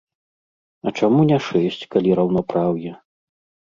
А чаму не шэсць, калі раўнапраўе?